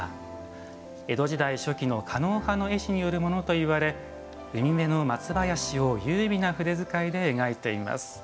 江戸時代初期の狩野派の絵師によるものといわれ海辺の松林を優美な筆遣いで描いています。